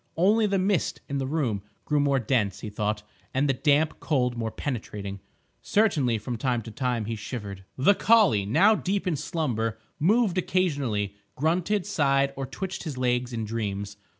Only the mist in the room grew more dense, he thought, and the damp cold more penetrating. Certainly, from time to time, he shivered. The collie, now deep in slumber, moved occasionally,—grunted, sighed, or twitched his legs in dreams.